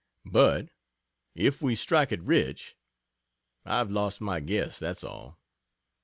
But if we "strike it rich," I've lost my guess, that's all.